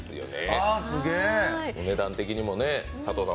お値段的にも、佐藤さん